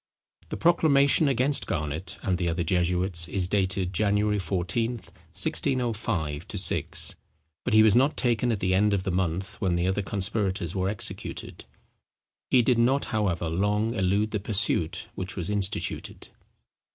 The proclamation against Garnet and the other jesuits, is dated January 14, 1605 6; but he was not taken at the end of the month when the other conspirators were executed. He did not, however, long elude the pursuit which was instituted.